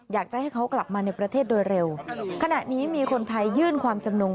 อยากจะให้เขากลับมาในประเทศโดยเร็วขณะนี้มีคนไทยยื่นความจำนง